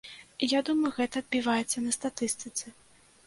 Я думаю, гэта адбіваецца на статыстыцы.